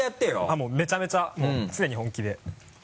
もうめちゃめちゃ常に本気で。